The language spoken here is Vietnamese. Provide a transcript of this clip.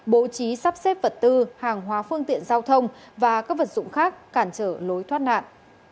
bố trí sắp xếp vật tư hàng hóa phương tiện giao thông và các vật dụng khác cản trở lối thoát nạn